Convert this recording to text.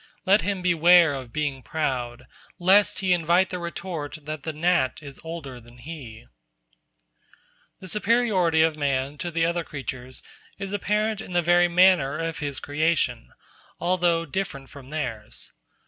Let him beware of being proud, lest he invite the retort that the gnat is older than he. The superiority of man to the other creatures is apparent in the very manner of his creation, altogether different from theirs.